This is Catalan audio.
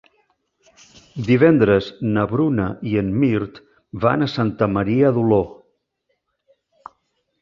Divendres na Bruna i en Mirt van a Santa Maria d'Oló.